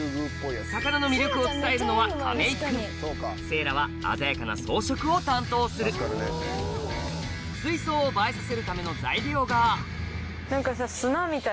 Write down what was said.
魚の魅力を伝えるのは亀井君せいらは鮮やかな装飾を担当する水槽を映えさせるための材料があった。